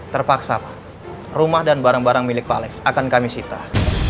terpaksa pak rumah dan barang barang milik pak aleks akan kami sitah